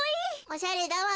おしゃれだわべ。